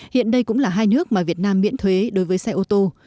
hiện đây cũng là hai nước mà việt nam miễn thuế đối với xe ô tô